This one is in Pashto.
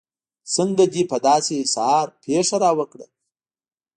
څنګه دې په داسې سهار پېښه راوکړه.